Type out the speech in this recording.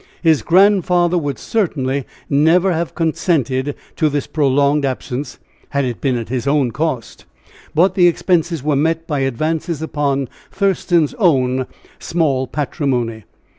His grandfather would certainly never have consented to this prolonged absence, had it been at his own cost; but the expenses were met by advances upon Thurston's own small patrimony.